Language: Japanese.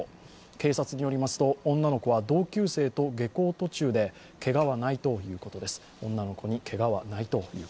警察によりますと女の子は同級生と下校途中でけがはないということです。